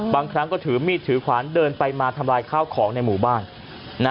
บางครั้งก็ถือมีดถือขวานเดินไปมาทำลายข้าวของในหมู่บ้านนะ